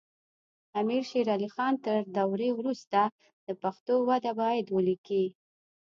امیر شیر علی خان تر دورې وروسته د پښتو وده باید ولیکي.